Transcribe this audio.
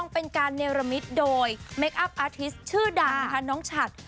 เป็นการเนรมมิตโดยเมคอัพอาร์ทิสต์ชื่อดาภันธ์น้องฉัตต์